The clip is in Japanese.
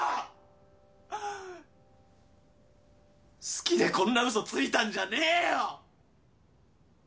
好きでこんな嘘ついたんじゃねえよ！